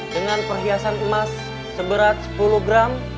dengan perhiasan emas seberat sepuluh gram